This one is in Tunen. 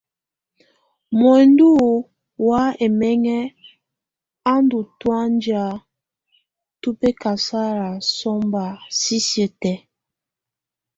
Mɔndɔ wa ɛmɛŋɛ á ndù tɔ̀ánjɛ tù bɛkasala sɔmba sisiǝ́ tɛ̀á.